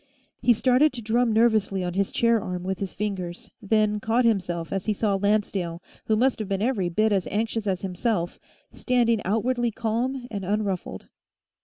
He started to drum nervously on his chair arm with his fingers, then caught himself as he saw Lancedale, who must have been every bit as anxious as himself, standing outwardly calm and unruffled.